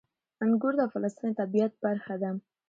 انګور د افغانستان د طبیعت برخه ده.